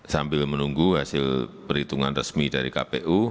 sambil menunggu hasil perhitungan resmi dari kpu